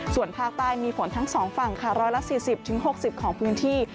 ส่วนภาคใต้มีฝนทั้ง๒ฝั่งค่ะ๑๔๐๖๐ของพื้นที่